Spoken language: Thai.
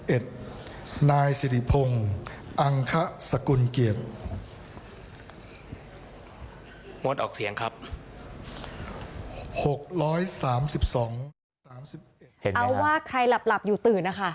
เอาว่าใครหลับอยู่ตื่นนะคะ